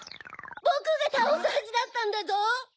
ぼくがたおすはずだったんだぞ！